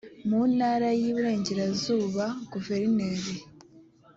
mu ntara y iburengerazuba guverineri